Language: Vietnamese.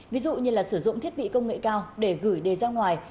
ví dụ như là sử dụng thiết bị công nghệ cao để gửi đề ra ngoài